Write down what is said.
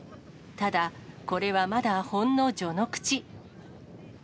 ただ、これはまだほんの序の口。